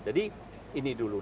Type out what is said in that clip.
jadi ini dulu